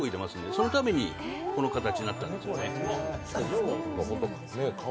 そのために形になったんですね。